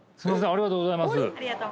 ありがとうございます。